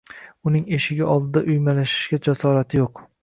Uning eshigi oldida uymalashishga jasorati yo'q.